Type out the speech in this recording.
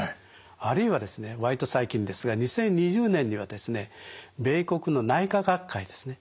あるいはですね割と最近ですが２０２０年にはですね米国の内科学会ですね